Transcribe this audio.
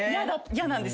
嫌なんです。